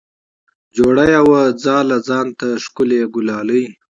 جوړه یې وه ځاله ځان ته ښکلې ګلالۍ